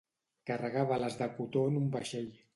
Carregar bales de cotó en un vaixell.